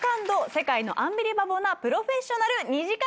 世界のアンビリバボーなプロフェッショナル２時間